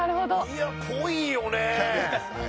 いやっぽいよね。